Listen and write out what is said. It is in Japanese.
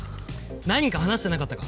何か話してなかったか？